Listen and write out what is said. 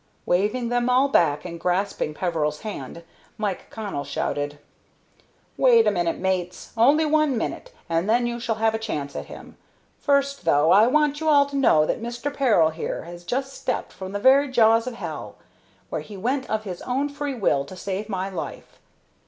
Waving them all back, and grasping Peveril's hand, Mike Connell shouted: "Wait a minute, mates! Only one minute, and then you shall have a chance at him. First, though, I want you all to know that Mister Peril here has just stepped from the very jaws of hell, where he went of his own free will to save my life.